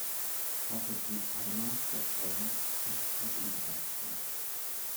Auf das Lied "Heimat" der Broilers trifft dies ebenfalls zu.